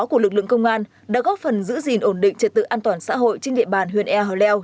của lực lượng công an đã góp phần giữ gìn ổn định trật tự an toàn xã hội trên địa bàn huyện ea leo